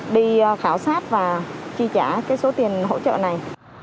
đi khảo sát và chi trả cái số tiền hỗ trợ này